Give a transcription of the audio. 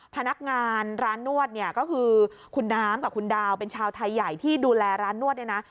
พนักงานร้านนวดเนี่ยก็คือคุณน้ำกับคุณดาวเป็นชาวไทยใหญ่ที่ดูแลร้านนวดเนี่ยนะ